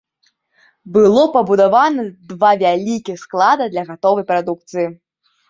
Было пабудавана два вялікіх склада для гатовай прадукцыі.